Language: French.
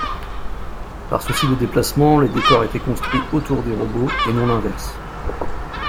Par souci de déplacements, les décors étaient construits autour des robots, et non l'inverse.